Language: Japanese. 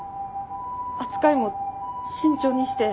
扱いも慎重にして。